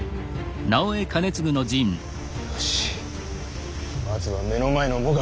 よしまずは目の前の最上。